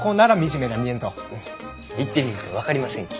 フッ行ってみんと分かりませんき。